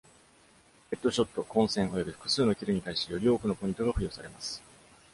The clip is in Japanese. ヘッドショット、混戦、および複数のキルに対してより多くのポイントが付与されます。